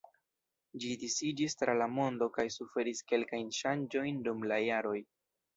Ĝi disiĝis tra la mondo kaj suferis kelkajn ŝanĝojn dum la jaroj.